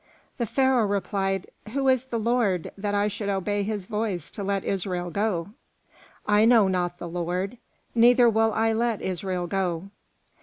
'" The Pharaoh replied, "Who is the Lord, that I should obey his voice to let Israel go? I know not the Lord, neither will I let Israel go."